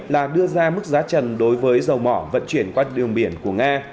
là đưa ra mức giá trần đối với dầu mỏ vận chuyển qua đường biển của nga